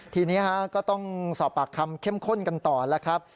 ทีนี้ก็ต้องสอบปากคำเข้มข้นกันต่อแล้วครับ